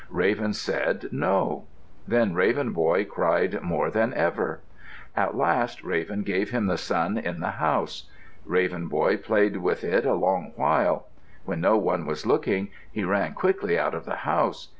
Raven said, "No." Then Raven Boy cried more than ever. At last Raven gave him the sun in the house. Raven Boy played with it a long while. When no one was looking, he ran quickly out of the house.